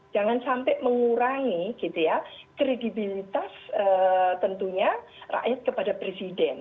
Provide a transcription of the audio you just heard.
jangan sampai mengurangi kredibilitas tentunya rakyat kepada presiden